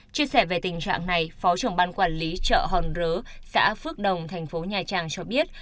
chia sẻ về tình trạng này phó trưởng ban quản lý chợ hòn rớ xã phước đồng thành phố nhà trang cho biết